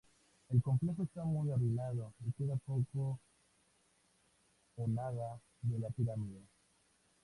El complejo está muy arruinado y queda poco o nada de la pirámide.